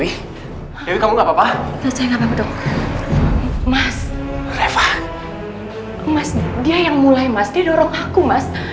bu dewi kamu gak apa apa mas reva mas dia yang mulai mas dia dorong aku mas